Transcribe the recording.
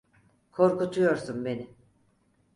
Korkutuyorsun beni.